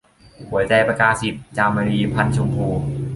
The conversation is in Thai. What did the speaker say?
หัวใจประกาศิต - จามรี พรรณชมพู